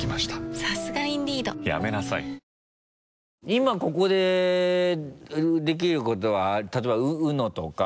今ここでできることは例えばＵＮＯとか。